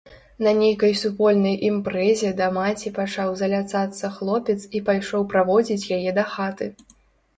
На нейкай супольнай імпрэзе да маці пачаў заляцацца хлопец і пайшоў праводзіць яе дахаты.